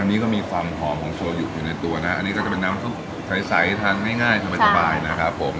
อันนี้ก็มีความหอมของโซยุอยู่ในตัวนะอันนี้ก็จะเป็นน้ำซุปใสทานง่ายสบายนะครับผม